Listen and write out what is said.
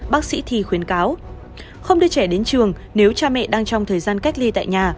bác sĩ thi khuyến cáo không đưa trẻ đến trường nếu cha mẹ đang trong thời gian cách ly tại nhà